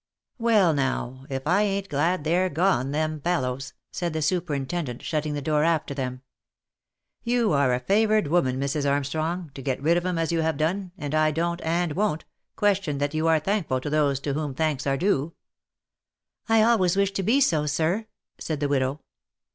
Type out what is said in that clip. ." Well now, if I : ain't glad they're gone, them fellows," said the superintendent shutting the door after _ them. " You are a favoured woman, Mrs. Armstrong, to get rid of 'em as you have 44 THE LIFE AND ADVENTURES done, and I don't and won't, question that you are thankful to those to whom thanks are due," " I always wish to be so, sir," said the widow.